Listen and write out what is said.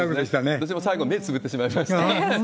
僕も最後目つぶってしまいました。